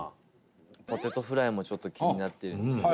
ポテトフライも、ちょっと気になってるんですよね。